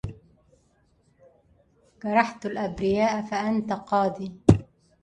جرحت الأبرياء فأنت قاض